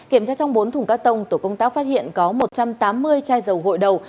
kiểm tra trong bốn thùng các tông tổ công tác phát hiện có một trăm tám mươi chai dầu gội đầu